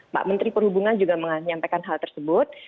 pak menteri perhubungan juga menyampaikan hal tersebut